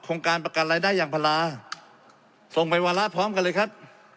การประกันรายได้ยางพาราส่งไปวาระพร้อมกันเลยครับ